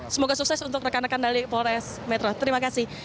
semoga sukses untuk rekan rekan dari polres metro terima kasih